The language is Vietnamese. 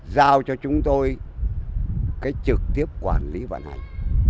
giao cho chúng tôi cái trực tiếp quản lý vận hành